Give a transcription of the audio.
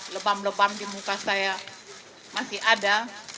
lebam lebam di muka saya masih ada